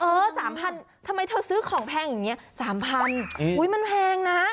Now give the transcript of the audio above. ๓๐๐ทำไมเธอซื้อของแพงอย่างนี้๓๐๐มันแพงนะ